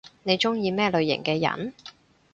你中意咩類型嘅人？